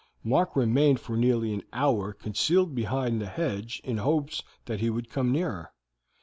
Mark remained for nearly an hour concealed behind the hedge in hopes that he would come nearer.